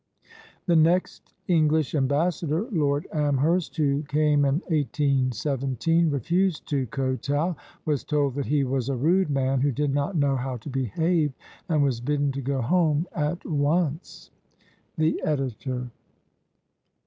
[The next English ambassador, Lord Amherst, who came in 1817, refused to kotow, was told that he was a rude man who did not know how to behave, and was bidden to go home at once. The Editor.